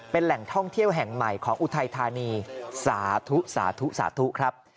เป็นแหล่งท่องเที่ยวแห่งใหม่ของอุทัยธานีสาธุสาธุสาธุครับ